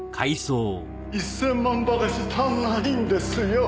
１０００万ばかし足りないんですよ。